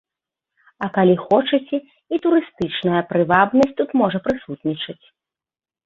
А калі хочаце, і турыстычная прывабнасць тут можа прысутнічаць.